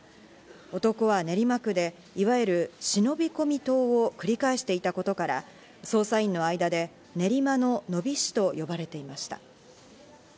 男は練馬区でいわゆる「忍び込み盗」を繰り返していたことから捜査員の間で練馬のノビ師と呼ばれていました。